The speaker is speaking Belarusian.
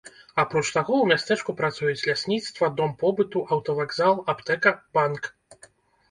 Апроч таго, у мястэчку працуюць лясніцтва, дом побыту, аўтавакзал, аптэка, банк.